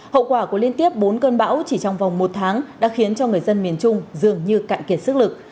hậu quả của liên tiếp bốn cơn bão chỉ trong vòng một tháng đã khiến cho người dân miền trung dường như cạn kiệt sức lực